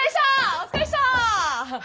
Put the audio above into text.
お疲れっした！